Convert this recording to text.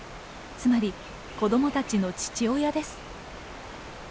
つまり子どもたちの父親です。